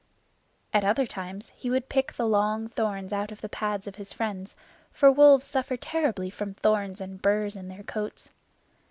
At other times he would pick the long thorns out of the pads of his friends, for wolves suffer terribly from thorns and burs in their coats.